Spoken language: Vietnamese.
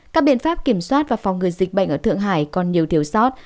các biện pháp kiểm soát và phòng ngừa dịch bệnh ở thượng hải còn nhiều thiếu sót